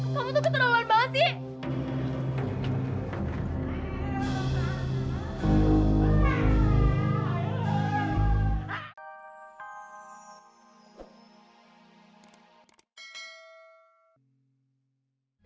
kamu tuh keterlaluan banget sih